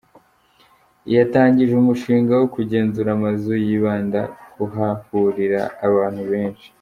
Yatangije umushinga wo kugenzura amazu yibanda kuhahurira abantu benshi.